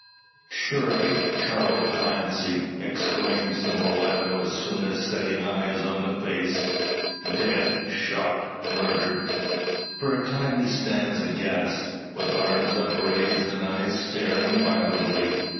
"Surely Charl Clancy!" exclaims the mulatto as soon as setting eyes on the face. "Dead shot murdered!" For a time he stands aghast, with arms upraised, and eyes staring wildly.